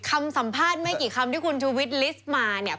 คำสัมภาษณ์ไม่กี่คำที่คุณชูวิทย์ลิสต์มาเนี่ย